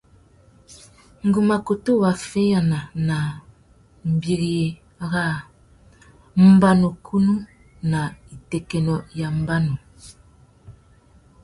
Ngu mà kutu waffeyāna nà mbîriya râ mbanukunú nà itékénô ya mbanu.